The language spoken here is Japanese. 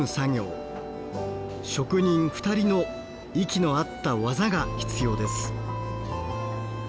職人２人の息の合った技が必要です。